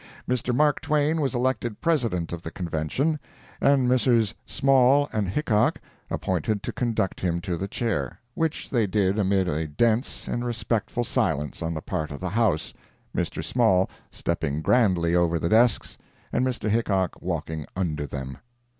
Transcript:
Mr. Mark Twain was elected President of the Convention, and Messrs. Small and Hickok appointed to conduct him to the Chair, which they did amid a dense and respectful silence on the part of the house, Mr. Small stepping grandly over the desks, and Mr. Hickok walking under them.